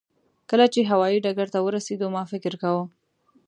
کله چې هوایي ډګر ته ورسېدو ما فکر کاوه.